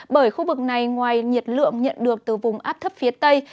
bởi khu vực này ngoài nhiệt lượng nhận được từ vùng áp thấp phía tây